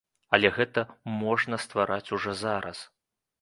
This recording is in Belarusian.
Але гэта можна ствараць ужо зараз.